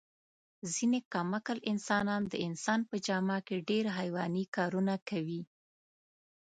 ځنې کم عقل انسانان د انسان په جامه کې ډېر حیواني کارونه کوي.